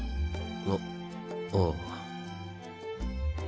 あああ。